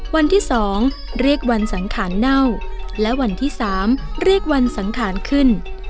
วันที่๒เรียกวันสังขารเน่าและวันที่๓เรียกวันสังขารขึ้น